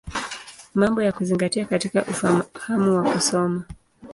Mambo ya Kuzingatia katika Ufahamu wa Kusoma.